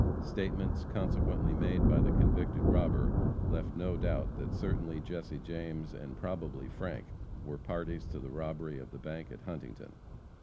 Statements subsequently made by the convicted robber left no doubt that certainly Jesse James, and probably Frank, were parties to the robbery of the bank at Huntington.